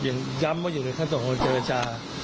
ย้ำว่าอยู่ในขั้นตอนของเจรจา